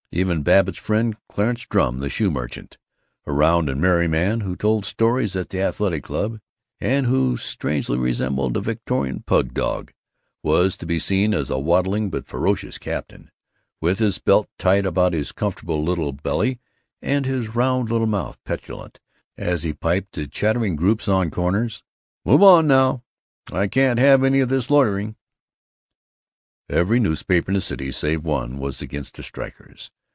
Even Babbitt's friend, Clarence Drum the shoe merchant a round and merry man who told stories at the Athletic Club, and who strangely resembled a Victorian pug dog was to be seen as a waddling but ferocious captain, with his belt tight about his comfortable little belly, and his round little mouth petulant as he piped to chattering groups on corners. "Move on there now! I can't have any of this loitering!" Every newspaper in the city, save one, was against the strikers.